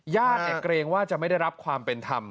เกรงว่าจะไม่ได้รับความเป็นธรรม